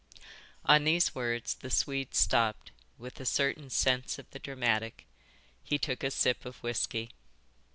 On these words the Swede stopped with a certain sense of the dramatic. He took a sip of whisky.